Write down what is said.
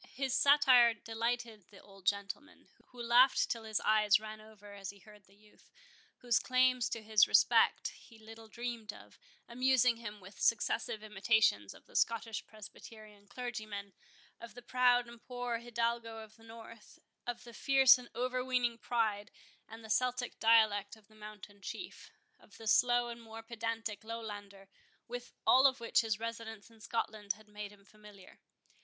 His satire delighted the old gentleman, who laughed till his eyes ran over as he heard the youth, whose claims to his respect he little dreamed of, amusing him with successive imitations of the Scottish Presbyterian clergymen, of the proud and poor Hidalgo of the North, of the fierce and over weening pride and Celtic dialect of the mountain chief, of the slow and more pedantic Lowlander, with all of which his residence in Scotland had made him familiar.